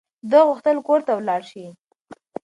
ده غوښتل کور ته ولاړ شي.